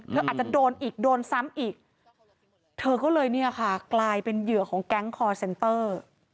อาจจะโดนอีกโดนซ้ำอีกเธอก็เลยเนี่ยค่ะกลายเป็นเหยื่อของแก๊งคอร์เซนเตอร์